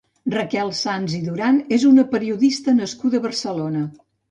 Raquel Sans i Duran és una periodista nascuda a Barcelona.